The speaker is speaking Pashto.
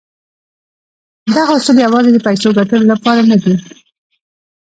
دغه اصول يوازې د پيسو ګټلو لپاره نه دي.